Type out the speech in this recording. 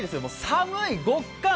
寒い、極寒！